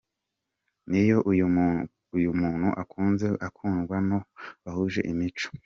N’iyo uyu umuntu akunzwe akundwa n’uwo bahuje imico.